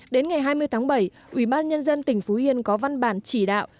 đến ngày hai mươi tháng bảy ủy ban nhân dân tỉnh phú yên có văn bản chỉ đạo